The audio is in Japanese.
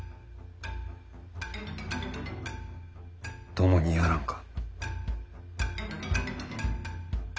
共にやらんか？